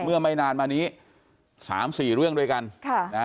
เมื่อไม่นานมานี้สามสี่เรื่องด้วยกันค่ะ